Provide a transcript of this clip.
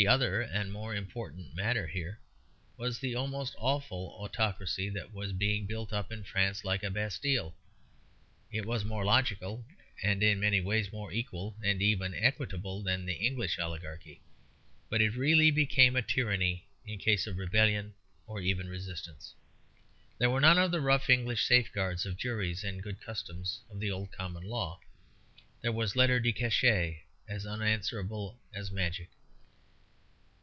The other and more important matter here was the almost awful autocracy that was being built up in France like a Bastille. It was more logical, and in many ways more equal and even equitable than the English oligarchy, but it really became a tyranny in case of rebellion or even resistance. There were none of the rough English safeguards of juries and good customs of the old common law; there was lettre de cachet as unanswerable as magic.